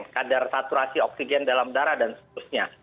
kadar saturasi oksigen dalam darah dan seterusnya